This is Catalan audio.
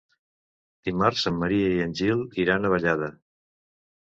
Dimarts en Maria i en Gil iran a Vallada.